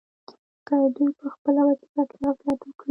که دوی په خپله وظیفه کې غفلت وکړي.